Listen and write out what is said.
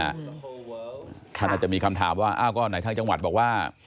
อาจจะมีคำถามว่าอ้าวก็ไหนทางจังหวัดบอกว่า